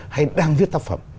hay đang viết tác phẩm